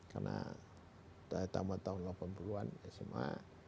karena saya tamat tahun delapan puluh an sma